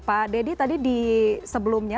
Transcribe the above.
pak deddy tadi di sebelumnya